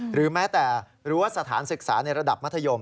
หรือแม้แต่รั้วสถานศึกษาในระดับมัธยม